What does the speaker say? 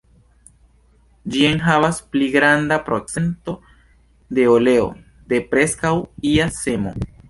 Ĝi enhavas pli granda procento de oleo de preskaŭ ia semo.